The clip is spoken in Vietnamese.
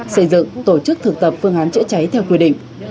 xây dựng tổ chức thực tập phương án chữa cháy theo quy định